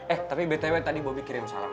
eh tapi btw tadi bobby kirim salam gue aja ya